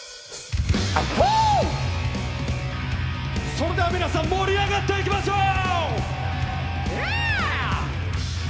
それでは皆さん、盛り上がっていきましょう。